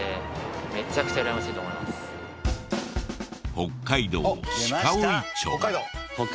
北海道鹿追町。